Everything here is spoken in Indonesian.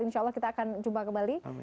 insya allah kita akan jumpa kembali